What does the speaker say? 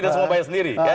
dan semua bayar sendiri